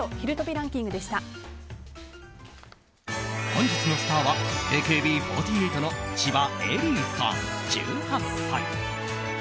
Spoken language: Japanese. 本日のスターはＡＫＢ４８の千葉恵里さん、１８歳。